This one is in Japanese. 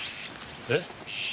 えっ？